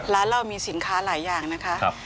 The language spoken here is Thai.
ร้านเรามีสินค้าหลายอย่างนะคะ